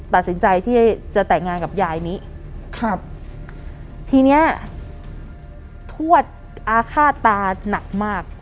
ตัดสินใจที่จะแต่งงานกับยายนี้ครับทีเนี้ยทวดอาฆาตตาหนักมาก